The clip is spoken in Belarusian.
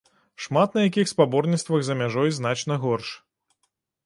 Шмат на якіх спаборніцтвах за мяжой значна горш.